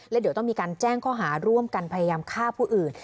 แล้วเดี๋ยวต้องมีการแจ้งข้อหาร่วมกันพยายามฆ่าผู้อื่น